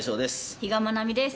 比嘉愛未です。